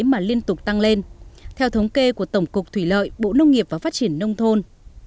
mà liên tục tăng lên theo thống kê của tổng cục thủy lợi bộ nông nghiệp và phát triển nông thôn